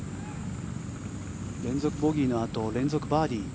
連続ボギーのあと連続バーディー。